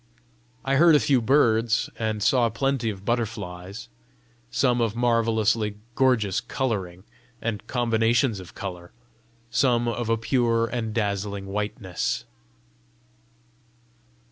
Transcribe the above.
I heard a few birds, and saw plenty of butterflies, some of marvellously gorgeous colouring and combinations of colour, some of a pure and dazzling whiteness.